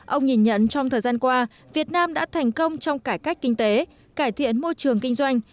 ông nhìn nhận trong thời gian qua việt nam đã thành công trong cải cách kinh tế cải thiện môi trường kinh doanh